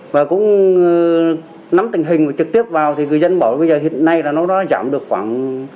và cũng nắm tình hình trực tiếp vào thì người dân bảo bây giờ hiện nay là nó giảm được khoảng tám mươi